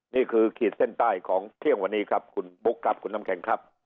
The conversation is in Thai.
ขีดเส้นใต้ของเที่ยงวันนี้ครับคุณบุ๊คครับคุณน้ำแข็งครับ